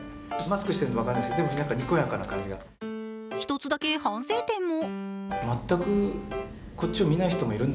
１つだけ反省点も。